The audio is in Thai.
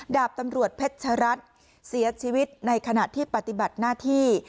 ดาบตำรวจเพชรัตน์เสียชีวิตในขณะที่ปฏิบัติหน้าที่